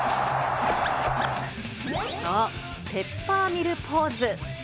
そう、ペッパーミルポーズ。